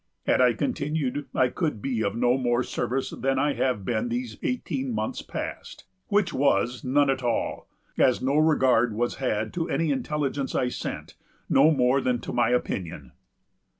Had I continued, I could be of no more service than I have been these eighteen months past; which was none at all, as no regard was had to any intelligence I sent, no more than to my opinion."